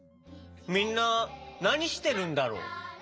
みんななにしてるんだろ？